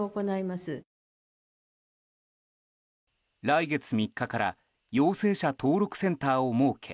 来月３日から陽性者登録センターを設け